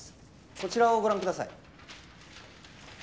こちらをご覧ください